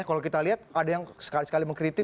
kalau kita lihat ada yang sekali sekali mengkritik